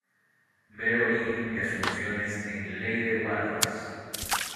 Ver Origen y asunciones en "Ley de Walras".